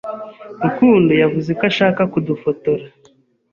Rukundo yavuze ko ashaka kudufotora.